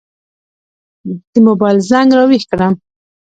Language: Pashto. د موبایل زنګ را وېښ کړم.